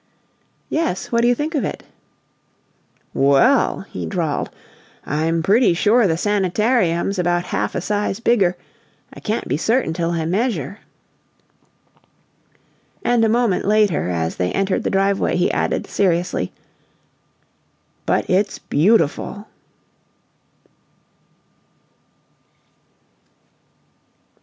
"Yes. What do you think of it?" "Well," he drawled, "I'm pretty sure the sanitarium's about half a size bigger; I can't be certain till I measure." And a moment later, as they entered the driveway, he added, seriously: "But it's beautiful!"